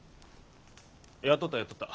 やっとったやっとった。